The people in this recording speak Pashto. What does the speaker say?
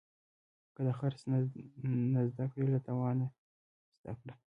که د خرڅ نه زده کړې، له تاوانه زده کړه.